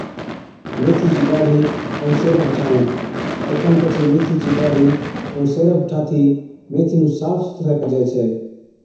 ميٿِي چِي ڏاڙهِي ائُون سيرب ٺاهوڻ، اوکن پڇي ميٿي چِي ڏاڙھِي ائُون سيرب ٺاھتِي ميٿي نُون صاف سُٿرَي ڪجَي ڇَي